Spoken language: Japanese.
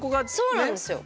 そうなんですよ。